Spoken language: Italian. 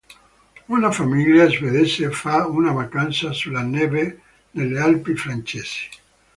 Una famiglia svedese fa una vacanza sulla neve nelle Alpi francesi.